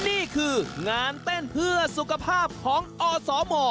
นี่คืองานเต้นเพื่อสุขภาพของอสม